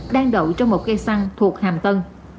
đang đậu trong một cây xăng thuộc hàm tân